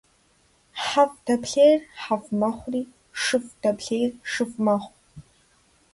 ХьэфӀ дэплъейр хьэфӀ мэхъури, шыфӀ дэплъейр шыфӀ мэхъу.